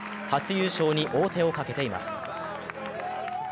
初優勝に王手をかけています。